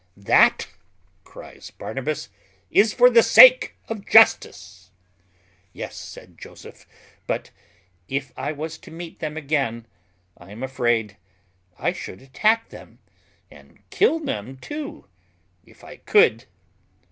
"That," cries Barnabas, "is for the sake of justice." "Yes," said Joseph, "but if I was to meet them again, I am afraid I should attack them, and kill them too, if I could."